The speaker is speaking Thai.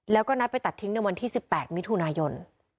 แล้วก็นัดไปตัดทิ้งในวันที่๑๘มิถุนายน